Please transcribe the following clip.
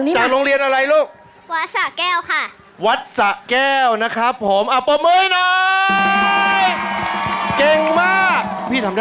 ลงเท่าเรียนฝากไว้ตัวเอากลับไปใจเก็บรักษา